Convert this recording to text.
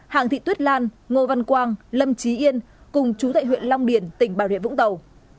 hàng thị tuyết lan ngô văn quang lâm trí yên cùng chú tại huyện long điền tỉnh bà rịa vũng tàu